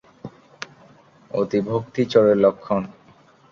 অতিভক্তি চোরের লক্ষণ।